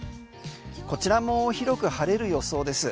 こちらも広く晴れる予想です。